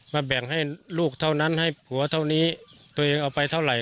แบ่งให้ลูกเท่านั้นให้ผัวเท่านี้ตัวเองเอาไปเท่าไหร่